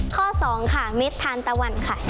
ข้อ๒ค่ะเม็ดทานตะวันค่ะ